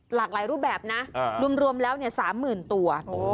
หลากหลายรูปแบบนะรวมแล้ว๓๐๐๐ตัว